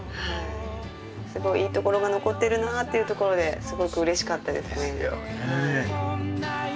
すごいいいところが残ってるなあっていうところですごくうれしかったですね。